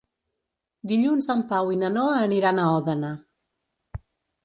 Dilluns en Pau i na Noa aniran a Òdena.